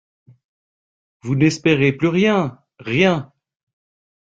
Vous n’espérez plus rien! rien !